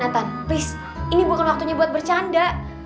nathan please ini bukan waktunya buat bercanda